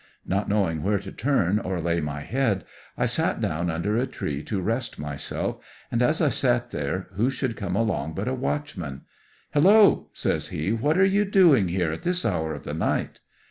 Not knowing where to turn or lay my head, I sat down under a tree to rest myself, and as I sat there, who should come along but a watchman. * 'Hello!" says he, "what are you do ing here at this hour of the night?"